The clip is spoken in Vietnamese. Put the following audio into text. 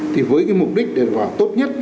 thì với cái mục đích để vào tốt nhất